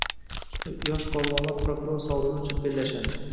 Yosh polvonlar prokuror sovrini uchun bellashadi